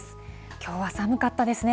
きょうは寒かったですね。